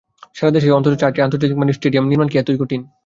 সারা দেশে অন্তত চারটি আন্তর্জাতিক মানের স্টেডিয়াম নির্মাণ কি এতই কঠিন?